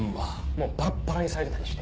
もうバラッバラにされてたりして。